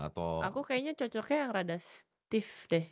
aku kayaknya cocoknya yang rada stiff deh